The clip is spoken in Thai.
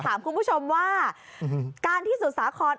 ถามคุณผู้ชมว่าการที่สุดสาคร